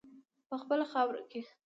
په خپله خاوره کې.